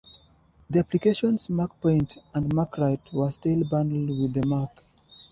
The applications MacPaint and MacWrite were still bundled with the Mac.